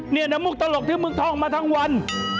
นี่นะมุกตลกที่มึงท่องมาทั้งวัน